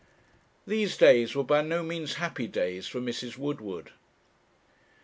These days were by no means happy days for Mrs. Woodward.